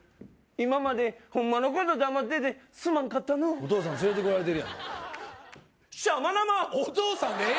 今までホンマのこと黙っててすまんかったのうお父さん連れてこられてるやんシャマナマー！